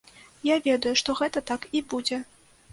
Я ведаю, што гэта так і будзе.